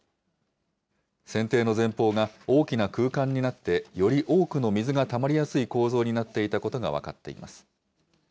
船底の前方が大きな空間になって、より多くの水がたまりやすい構造になっていたことが分かっています。